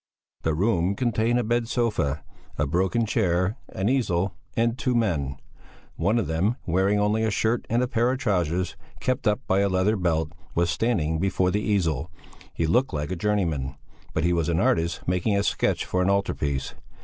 The room contained a bed sofa, a broken chair, an easel, and two men. One of them, wearing only a shirt and a pair of trousers kept up by a leather belt, was standing before the easel. He looked like a journeyman, but he was an artist making a sketch for an altar piece.